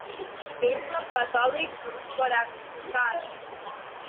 És catòlic practicant.